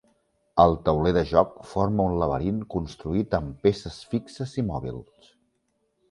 El tauler de joc forma un laberint construït amb peces fixes i mòbils.